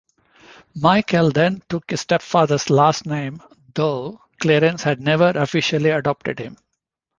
Michael then took his stepfather's last name, though Clarence had never officially adopted him.